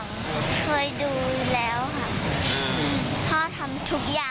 ลูกเนี่ยสู้เต็มที่แต่ตอนนี้เรื่องเรียนก็สังคัญต้องทำคู่กันไปนะคะ